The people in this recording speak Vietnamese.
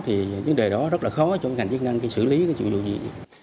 thì vấn đề đó rất là khó cho ngành chức năng xử lý cái chuyện gì